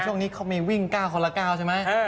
ช่วงนี้เขามีวิ่ง๙คนละ๙ใช่ไหม